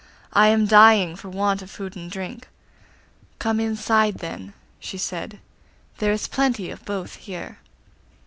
'I am dying for want of food and drink.' 'Come inside, then,' she said; 'there is plenty of both here.